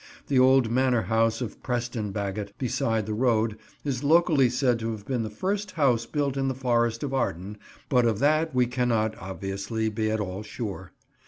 The old manor house of Preston Bagot, beside the road, is locally said to have been the first house built in the Forest of Arden, but of that we cannot, obviously, be at all sure.